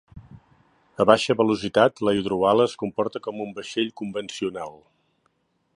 A baixa velocitat, la hidroala es comporta com un vaixell convencional.